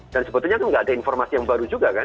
dan sebetulnya kan gak ada informasi yang baru juga kan